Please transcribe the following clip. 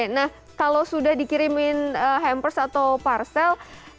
nah kalau sudah dikirimin hampers atau parcel